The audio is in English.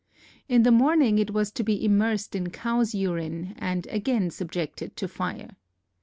In the morning it was to be immersed in cow's urine and again subjected to fire.